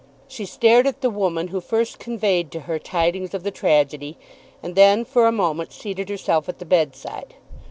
She stared at the woman who first conveyed to her tidings of the tragedy, and then for a moment seated herself at the bedside.